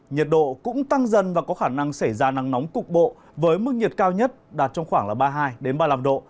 nhiệt độ cũng tăng dần và có khả năng xảy ra nắng nóng cục bộ với mức nhiệt cao nhất đạt trong khoảng ba mươi hai ba mươi năm độ